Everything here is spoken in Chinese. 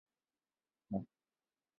街道办事处所在地为棚下岭。